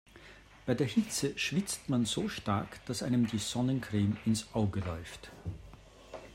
Bei der Hitze schwitzt man so stark, dass einem die Sonnencreme ins Auge läuft.